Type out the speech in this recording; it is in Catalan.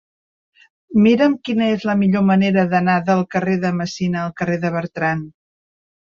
Mira'm quina és la millor manera d'anar del carrer de Messina al carrer de Bertran.